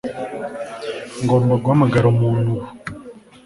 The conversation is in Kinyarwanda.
Ngomba guhamagara umuntu ubu